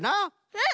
うん！